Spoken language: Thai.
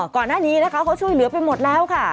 ก่อนหน้านี้นะคะเขาช่วยเหลือไปหมดแล้วค่ะ